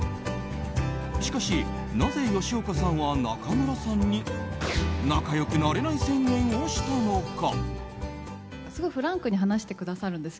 しかしなぜ、吉岡さんは中村さんに仲良くなれない宣言をしたのか？